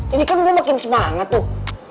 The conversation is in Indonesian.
ini kan dia makin semangat tuh